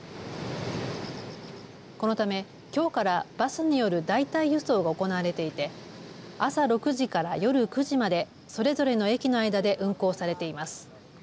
このため、きょうからバスによる代替輸送が行われていて朝６時から夜９時までそれぞれの駅の間で運行されています。